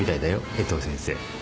江藤先生。